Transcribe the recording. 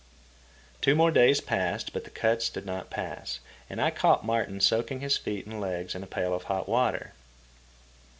Two more days passed, but the cuts did not pass, and I caught Martin soaking his feet and legs in a pail of hot water.